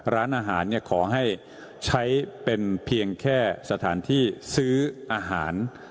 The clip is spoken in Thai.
ร้านอาหารขอให้ใช้เป็นเพียงแค่สถานที่ซื้ออาหาร